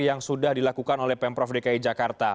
yang sudah dilakukan oleh pemprov dki jakarta